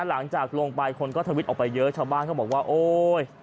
หลังจากลงไปคนก็ทวิตออกไปเยอะชาวบ้านเขาบอกว่าโอ๊ย